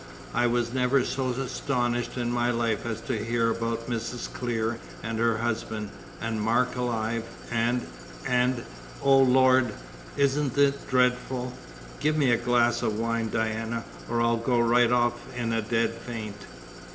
I was never so astonished in my life as to hear about Mrs. Clear and her husband and Mark alive and and oh, Lord! isn't it dreadful? Give me a glass of wine, Diana, or I'll go right off in a dead faint!"